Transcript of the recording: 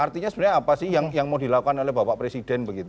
artinya sebenarnya apa sih yang mau dilakukan oleh bapak presiden begitu